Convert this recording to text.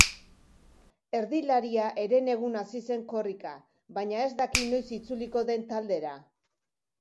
Erdilaria herenegun hasi zen korrika, baina ez daki noiz itzuliko den taldera.